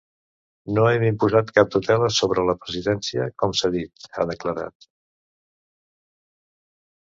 “No hem imposat cap tutela sobre la presidència, com s’ha dit”, ha declarat.